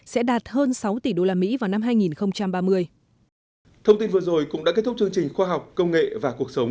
sẽ đạt hơn sáu tỷ usd vào năm hai nghìn ba